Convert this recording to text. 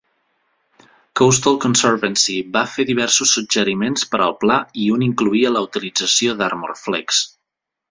Coastal Conservancy va fer diversos suggeriments per al pla i un incloïa la utilització d"Armorflex.